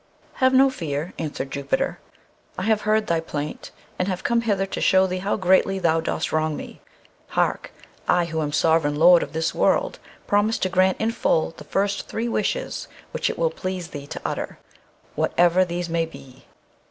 "Have no fear," answered Jupiter; "I have heard thy plaint, and have come hither to show thee how greatly thou dost wrong me. Hark! I, who am sovereign lord of this world, promise to grant in full the first three wishes which it will please thee to utter, whatever these may be.